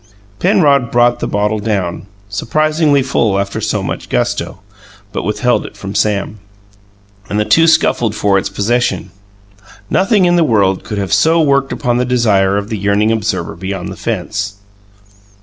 Penrod brought the bottle down, surprisingly full after so much gusto, but withheld it from Sam; and the two scuffled for its possession. Nothing in the world could have so worked upon the desire of the yearning observer beyond the fence.